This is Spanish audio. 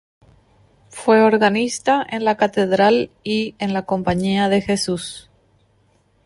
Fue organista en la Catedral y en la Compañía de Jesús.